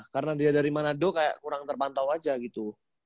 karena dia dari manado kayak kurang terpantau aja gitu